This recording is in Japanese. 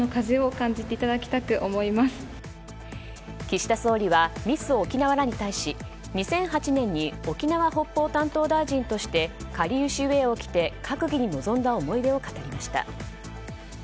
岸田総理はミス沖縄らに対し２００８年に沖縄・北方担当大臣としてかりゆしウェアを着て閣議に臨んだ思い出を語りました。